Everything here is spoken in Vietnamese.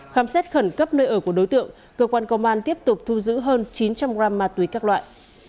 khám xét khẩn cấp nơi ở của đối tượng cơ quan công an tiếp tục thu giữ hơn chín trăm linh gram ma túy các loại